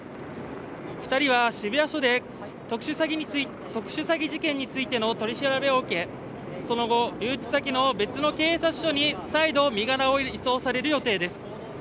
２人は渋谷署で特殊詐欺事件についての取り調べを受けその後、留置先の別の警察署に再度身柄を移送される予定です。